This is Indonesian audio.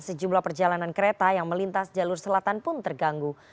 sejumlah perjalanan kereta yang melintas jalur selatan pun terganggu